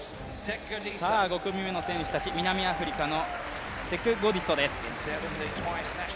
５組目の選手たち、南アフリカのセクゴディソです。